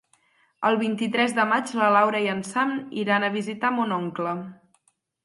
El vint-i-tres de maig na Laura i en Sam iran a visitar mon oncle.